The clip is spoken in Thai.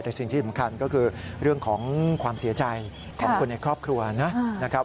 แต่สิ่งที่สำคัญก็คือเรื่องของความเสียใจของคนในครอบครัวนะครับ